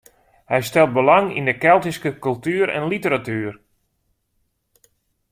Hy stelt belang yn de Keltyske kultuer en literatuer.